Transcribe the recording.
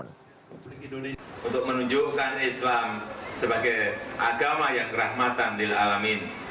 untuk menunjukkan islam sebagai agama yang rahmatan di alamin